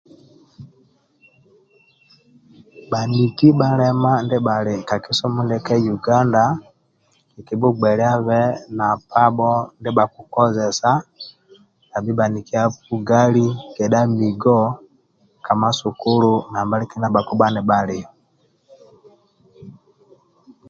Bhaniki bhalema ndibha bhali ka kisomo ndia ka uganda kiibhugbeliabe na pabho ndia bhakukozesa tabhi bhanikia bugali kedh muigo ka masukulu nambali kindia bhakibha nibhalio